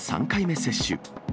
３回目接種。